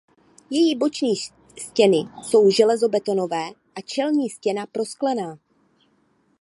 Její boční stěny jsou železobetonové a čelní stěna prosklená.